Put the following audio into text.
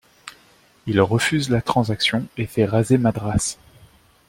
Il refuse la transaction et fait raser Madras.